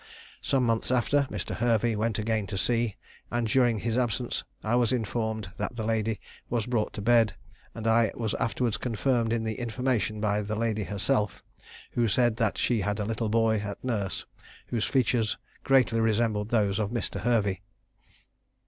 Some months after, Mr. Hervey went again to sea, and during his absence I was informed that the lady was brought to bed; and I was afterwards confirmed in the information by the lady herself, who said that she had a little boy at nurse, whose features greatly resembled those of Mr. Hervey.